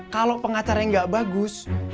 kalau pengacara yang enggak bagus